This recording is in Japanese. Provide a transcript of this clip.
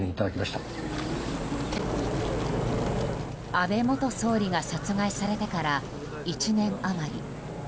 安倍元総理が殺害されてから１年余り。